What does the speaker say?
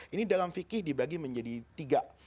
ini dalam fikih dibagi menjadi tiga